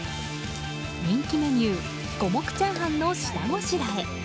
人気メニュー五目チャーハンの下ごしらえ。